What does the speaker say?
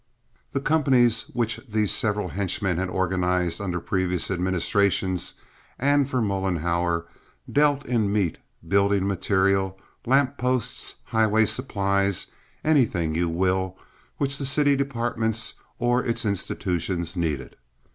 The companies which these several henchmen had organized under previous administrations, and for Mollenhauer, dealt in meat, building material, lamp posts, highway supplies, anything you will, which the city departments or its institutions needed.